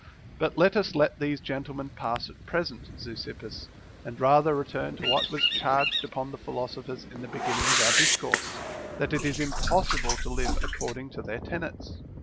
But let us let these gentlemen pass at present. Zeuxippus, and rather return to what was charged upon the philosophers in the beginning of our discourse, that it is impossible to live according to their tenets.